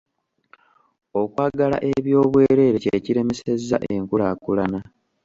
Okwagala eby’obwerere kye kiremesezza enkulaakula.